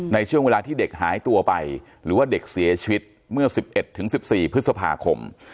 ในช่วงเวลาที่เด็กหายตัวไปหรือว่าเด็กเสียชีวิตเมื่อ๑๑ถึง๑๔พฤษภาคม